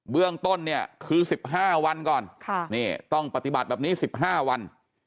เรื่องต้นเนี่ยคือ๑๕วันก่อนต้องปฏิบัติแบบนี้๑๕วัน